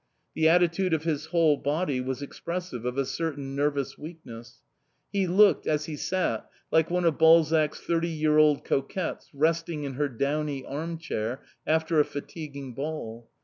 The attitude of his whole body was expressive of a certain nervous weakness; he looked, as he sat, like one of Balzac's thirty year old coquettes resting in her downy arm chair after a fatiguing ball.